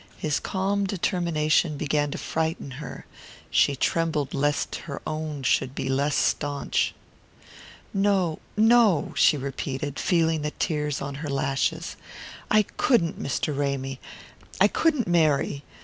His calm determination began to frighten her; she trembled lest her own should be less staunch. "No, no," she repeated, feeling the tears on her lashes. "I couldn't, Mr. Ramy, I couldn't marry.